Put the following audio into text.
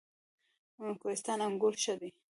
کوهستان انګور ښه دي؟